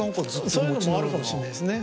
そういうのもあるかもしんないですね。